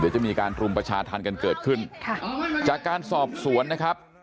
เดี๋ยวจะมีการรุมประชาธรรมกันเกิดขึ้นค่ะจากการสอบสวนนะครับ